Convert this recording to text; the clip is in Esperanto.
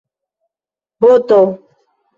boto